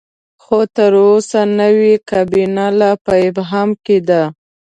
خو تر اوسه نوې کابینه لا په ابهام کې ده.